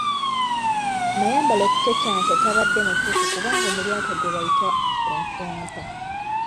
Mayambala okucacanca tabadde mutuufu kubanga omulyake gwe bayita Encwampa.